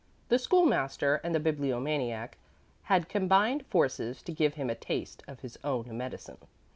The School master and the Bibliomaniac had combined forces to give him a taste of his own medicine.